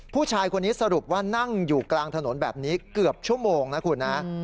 ผู้ชายคนนี้สรุปว่านั่งอยู่กลางถนนแบบนี้เกือบชั่วโมงนะคุณนะ